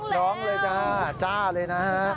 ล้องแล้ว